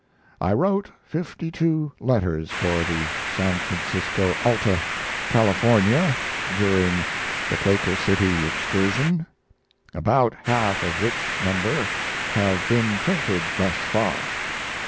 I wrote fifty two letters for the San Francisco Alta California during the Quaker City excursion, about half of which number have been printed thus far.